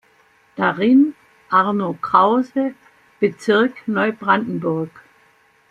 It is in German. Darin: Arno Krause „Bezirk Neubrandenburg.